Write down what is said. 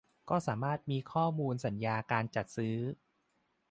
ก็สามารถมีข้อมูลสัญญาการจัดซื้อ